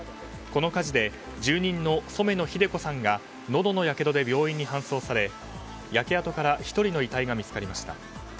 この火事で住人の染野ひで子さんがのどのやけどで病院に搬送され、焼け跡から１人の遺体が見つかりました。